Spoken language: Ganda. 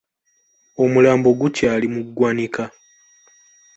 Omulambo gukyali mu ggwanika.